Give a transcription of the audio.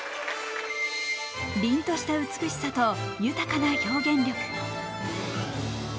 りんとした美しさと豊かな表現力。